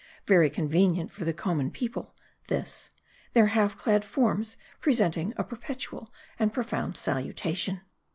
Very convenient for the common people, this ; their half clad forms presenting a per petual and profound salutation.